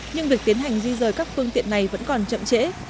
nhưng việc tiến hành di rời các phương tiện này vẫn còn chậm trễ